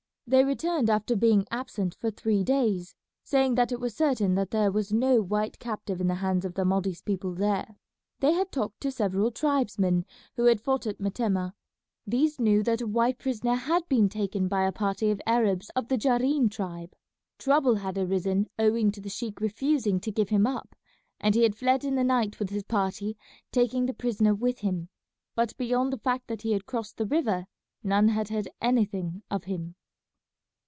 They returned after being absent for three days, saying that it was certain that there was no white captive in the hands of the Mahdi's people there. They had talked to several tribesmen who had fought at Metemmeh. These knew that a white prisoner had been taken by a party of Arabs of the Jahrin tribe. Trouble had arisen owing to the sheik refusing to give him up, and he had fled in the night with his party, taking the prisoner with him; but beyond the fact that he had crossed the river none had heard anything of him.